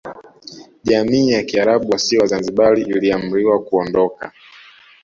Jamii ya Kiarabu wasio Wazanzibari iliamriwa kuondoka